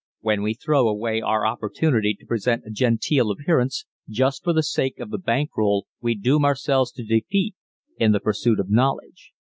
When we throw away our opportunity to present a genteel appearance, just for the sake of the bank roll, we doom ourselves to defeat in the pursuit of knowledge.